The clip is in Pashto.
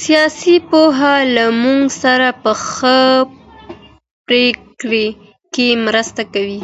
سياسي پوهه له موږ سره په ښه پرېکړه کي مرسته کوي.